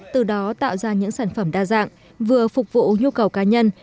từ đó tạo ra những sản phẩm đa dạng vừa phục vụ nhu cầu cá nhân